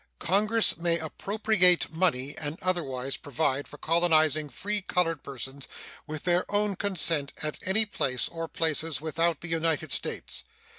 Congress may appropriate money and otherwise provide for colonizing free colored persons with their own consent at any place or places without the United States.